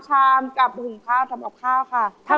ทำไมมันถูกจังแล้ว๑๒๕บาท